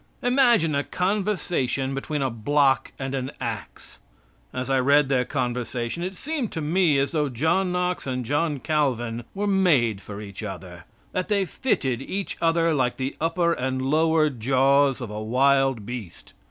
Imagine a conversation between a block and an ax! As I read their conversation it seemed to me as though John Knox and John Calvin were made for each other; that they fitted each other like the upper and lower jaws of a wild beast.